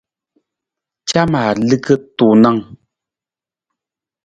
Camar liki tuunng.